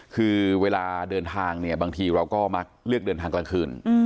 คือเวลาเดินทางเนี่ยบางทีเราก็มักเลือกเดินทางกลางคืน